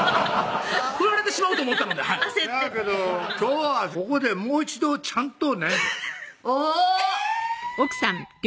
振られてしまうと思ったのでせやけど今日はここでもう一度ちゃんとねおぉっえぇ！